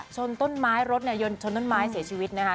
ชนต้นไม้รถเนี่ยชนต้นไม้เสียชีวิตนะคะ